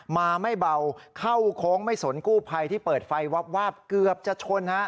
มาไม่เบาเข้าโค้งไม่สนกู้ภัยที่เปิดไฟวาบเกือบจะชนฮะ